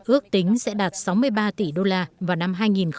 ước tính sẽ đạt sáu mươi ba tỷ đô la vào năm hai nghìn hai mươi